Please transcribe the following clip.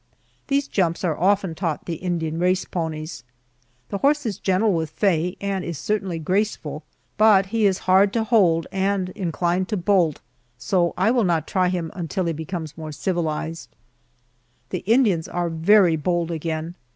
These jumps are often taught the Indian race ponies. The horse is gentle with Faye and is certainly graceful, but he is hard to hold and inclined to bolt, so I will not try him until he becomes more civilized. The Indians are very bold again.